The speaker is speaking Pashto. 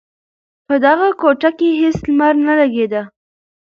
په دغه کوټه کې هېڅ لمر نه لگېده.